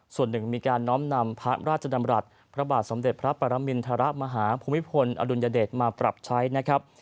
ส่วนหนึ่งมีการน้อมนำพระราชดำรัฐพระบาทสมเด็จพระปรมินทรมาฮาภูมิพลอดุลยเดชมาปรับใช้นะครับ